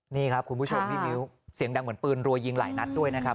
นี่ครับคุณผู้ชมพี่มิ้วเสียงดังเหมือนปืนรัวยิงหลายนัดด้วยนะครับ